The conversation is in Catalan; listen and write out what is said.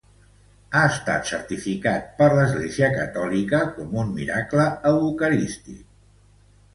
Ha estat certificat per l'Església catòlica com un miracle eucarístic.